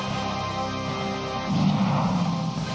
lama tak jumpa bapak